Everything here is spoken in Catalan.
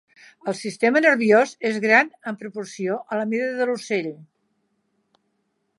El sistema nerviós és gran en proporció a la mida de l'ocell.